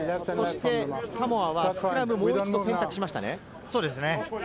サモアはスクラムをもう一度選択しました。